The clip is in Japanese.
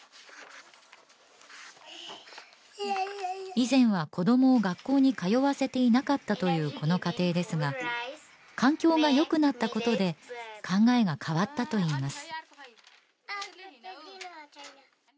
以前は子どもを学校に通わせていなかったというこの家庭ですが環境がよくなったことで考えが変わったといいます